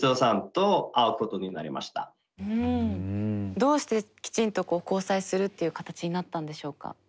どうしてきちんと交際するっていう形になったんでしょうか？